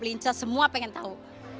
lincah semua pengen tahu